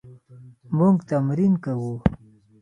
موږ تمرین کوو